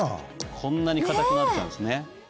こんなに硬くなっちゃうんですね